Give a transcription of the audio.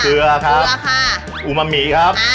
เกลือครับอุมาหมี่ครับ